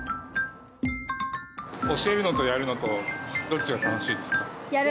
教えるのとやるのとどっちが楽しいですか？